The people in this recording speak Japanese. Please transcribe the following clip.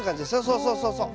そうそうそうそう。